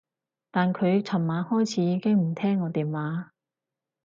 但佢噚晚開始已經唔聽我電話